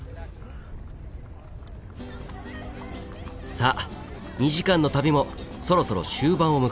さあ２時間の旅もそろそろ終盤を迎えます。